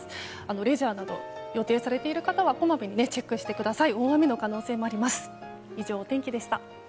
レジャーなど予定されている方はこまめにチェックしてください。